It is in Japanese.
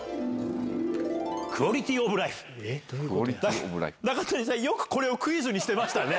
クオリティ・オブ・ライフ、中谷さん、よくこれをクイズにしていましたね。